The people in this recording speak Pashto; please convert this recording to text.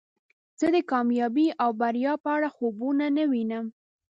زه د کامیابۍ او بریا په اړه خوبونه نه وینم.